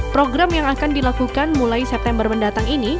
program yang akan dilakukan mulai september mendatang ini